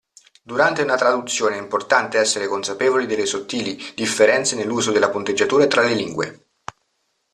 Durante una traduzione è importante essere consapevoli delle sottili differenze nell'uso della punteggiatura tra le lingue.